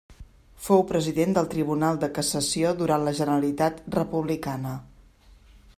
Fou President del Tribunal de Cassació durant la Generalitat republicana.